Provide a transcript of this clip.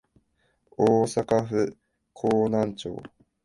大阪府河南町